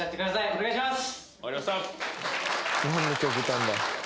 お願いします！